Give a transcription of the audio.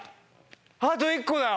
あと１個だよ。